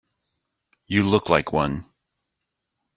You look like one.